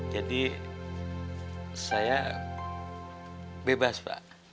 jadi saya bebas pak